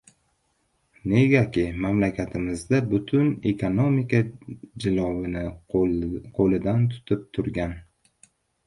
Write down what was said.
Negaki, mamlakatimizda butun ekonomika jilovini qo‘lidan tutib turgan